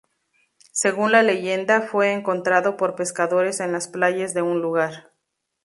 Según la leyenda, fue encontrado por pescadores en las playas de un lugar.